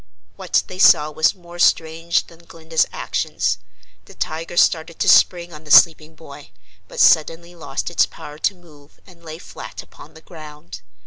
What they saw was more strange than Glinda's actions. The tiger started to spring on the sleeping boy, but suddenly lost its power to move and lay flat upon the ground.